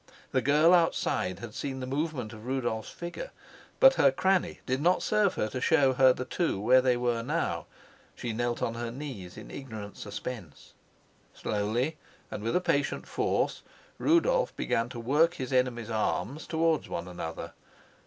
The girl outside had seen the movement of Rudolf's figure, but her cranny did not serve her to show her the two where they were now; she knelt on her knees in ignorant suspense. Slowly and with a patient force Rudolf began to work his enemy's arms towards one another.